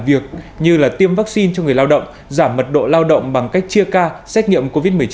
việc như tiêm vaccine cho người lao động giảm mật độ lao động bằng cách chia ca xét nghiệm covid một mươi chín